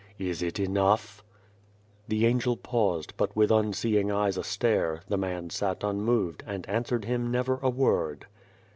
Is it enough ?" The Angel paused, but, with unseeing eyes astare, the man sat unmoved, and answered him never a word.